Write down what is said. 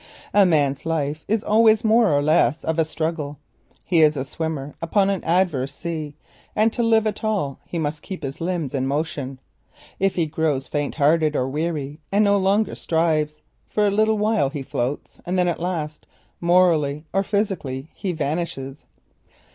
A man's life is always more or less a struggle; he is a swimmer upon an adverse sea, and to live at all he must keep his limbs in motion. If he grows faint hearted or weary and no longer strives, for a little while he floats, and then at last, morally or physically, he vanishes.